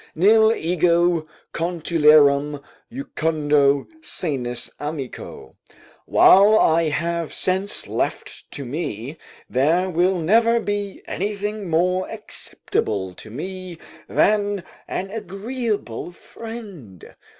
"Nil ego contulerim jucundo sanus amico." ["While I have sense left to me, there will never be anything more acceptable to me than an agreeable friend."